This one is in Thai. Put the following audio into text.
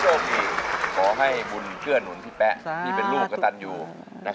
เอาไว้ใช้ที่บ้านหรือเก็บเอาไว้เนี่ย